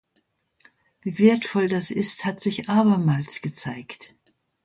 Wie wertvoll das ist, hat sich abermals gezeigt.